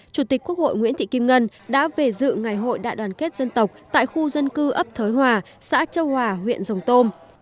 chủ tịch quốc hội nguyễn thị kim ngân đã về dự ngày hội đại đoàn kết dân tộc tại khu dân cư ấp thới hòa xã châu hòa huyện rồng